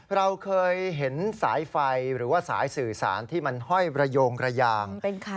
เราเคยเห็นสายไฟหรือว่าสายสื่อสารที่มันห้อยระโยงระยาง